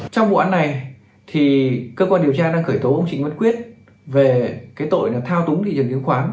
trong vụ án này thì cơ quan điều tra đang khởi tố ông trịnh văn quyết về cái tội là thao túng thị trường chứng khoán